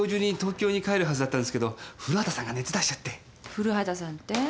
「古畑さん」って？